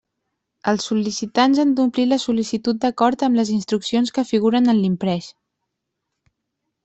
Els sol·licitants han d'omplir la sol·licitud d'acord amb les instruccions que figuren en l'imprés.